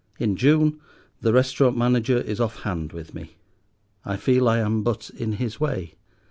In June the restaurant manager is off hand with me; I feel I am but in his way.